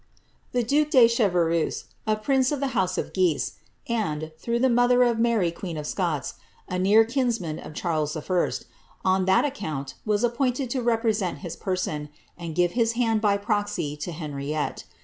* The duke de Chevreuse, a prince of the house of Guise, and (through the mother of Mary queen of Scots) a near kinsman of Charles I., on that account was appointed to represent his person, and give his hand by proxy to Henriette.